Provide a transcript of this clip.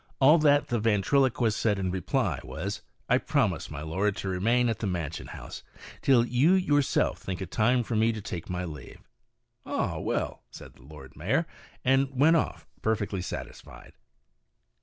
All that the ventriloquist said in reply was, "I promise, my lord, to remain at the Mansion House till you yourself think it time for me to take my leave." " Ah, well," said the Lord Mayor, and went off perfectly satisfied.